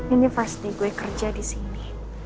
ini first day gue kerja di sini